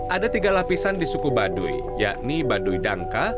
ada tiga lapisan di suku baduy yakni baduy dangka